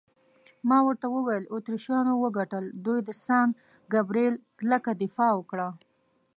ما ورته وویل: اتریشیانو وګټل، دوی د سان ګبرېل کلکه دفاع وکړه.